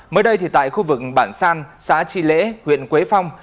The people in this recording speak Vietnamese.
mới đây thì tại khu vực bản san xã tri lễ huyện quế phong